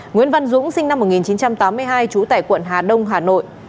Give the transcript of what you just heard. nguyễn văn dũng sinh năm một nghìn chín trăm tám mươi hai trú tại quận hà đông hà nội